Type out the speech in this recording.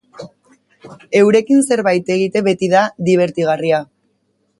Eurekin zerbait egite beti da dibertigarria.